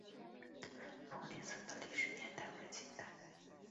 丰宁寺的历史年代为清代。